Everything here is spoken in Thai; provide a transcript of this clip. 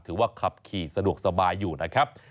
ถือว่าขับขี่สะดวกสบายอยู่นะครับ